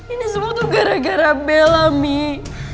ini semua tuh gara gara bela mie